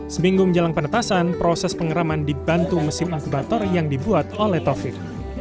seminggu menjelang penetasan proses pengeraman dibantu mesin inkubator yang dibuat oleh taufik